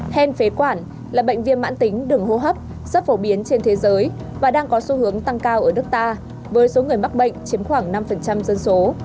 hen phế quản là bệnh viêm mãn tính đường hô hấp rất phổ biến trên thế giới và đang có xu hướng tăng cao ở nước ta với số người mắc bệnh chiếm khoảng năm dân số